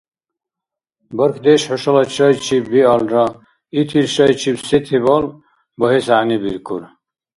Бархьдеш хӀушала шайчиб биалра, итил шайчиб се тебалра багьес гӀягӀнибиркур.